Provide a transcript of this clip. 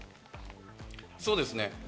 そうですね。